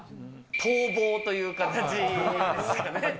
逃亡という形ですかね。